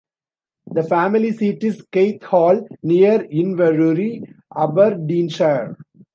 The family seat is Keith Hall, near Inverurie, Aberdeenshire.